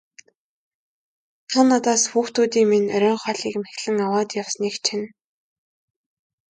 Та надаас хүүхдүүдийн минь оройн хоолыг мэхлэн аваад явсныг чинь.